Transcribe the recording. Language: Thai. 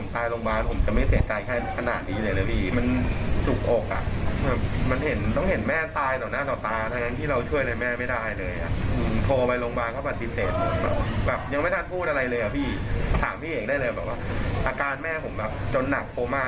ถามพี่เอกได้เลยอาการแม่ผมจนหนักโฟมา